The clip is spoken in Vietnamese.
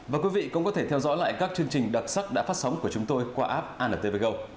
và quý vị cũng có thể theo dõi lại các chương trình đặc sắc đã phát sóng của chúng tôi qua app antvg